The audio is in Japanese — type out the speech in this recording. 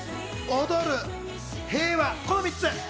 踊る、平和、この３つ。